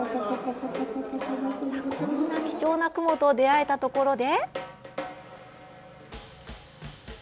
こんな貴重なクモと出会えたところで。